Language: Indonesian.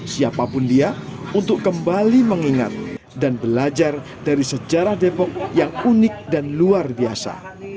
siapapun dia untuk kembali mengingat dan belajar dari sejarah depok yang unik dan luar biasa